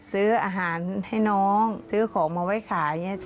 ซื้ออาหารให้น้องซื้อของมาไว้ขาย